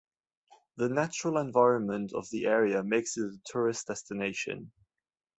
The natural environment of the area makes it a tourist destination.